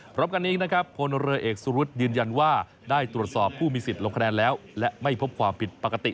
พร้อมกันนี้นะครับพลเรือเอกสุรุษยืนยันว่าได้ตรวจสอบผู้มีสิทธิ์ลงคะแนนแล้วและไม่พบความผิดปกติ